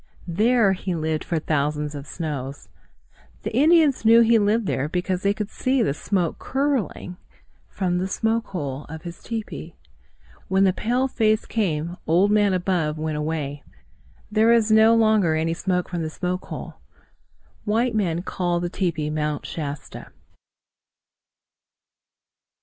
There he lived for thousands of snows. The Indians knew he lived there because they could see the smoke curling from the smoke hole of his tepee. When the pale face came, Old Man Above went away. There is no longer any smoke from the smoke hole. White men call the tepee Mount Shasta.